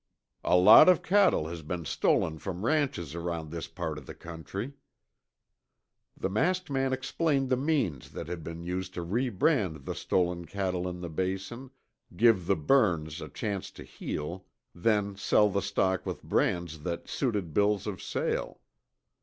"A lot of cattle has been stolen from ranches around this part of the country." The masked man explained the means that had been used to rebrand the stolen cattle in the Basin, give the burns a chance to heal, then sell the stock with brands that suited bills of sale.